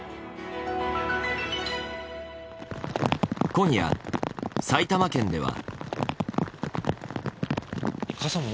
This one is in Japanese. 今夜、埼玉県では。